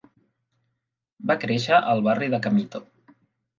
Va créixer al barri de Camito.